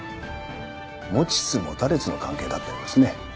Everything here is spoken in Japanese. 持ちつ持たれつの関係だったようですね。